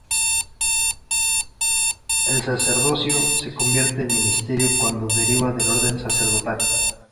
El sacerdocio de convierte en "ministerio" cuando deriva del Orden sacerdotal.